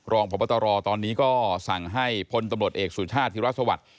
รองพบตรตอนนี้ก็สั่งให้พลตำรวจเอกสุชาติธิรัฐสวัสดิ์